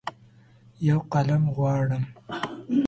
یوقلم غواړم